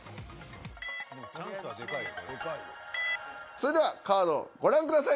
それではカードご覧ください。